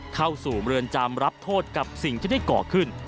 เข้าสู่เมืองจำรับโทษกับสิ่งที่ได้ก่อขึ้น